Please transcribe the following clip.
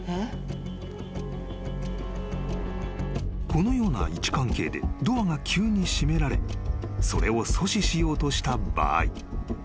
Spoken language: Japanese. ［このような位置関係でドアが急に閉められそれを阻止しようとした場合］